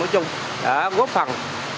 nói chung đã góp phần